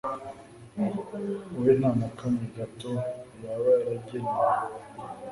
we nta na kamwe gato yaba yaragenewe?